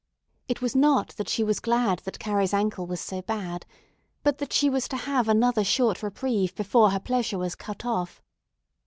It was not that she was glad that Carrie's ankle was so bad, but that she was to have another short reprieve before her pleasure was cut off.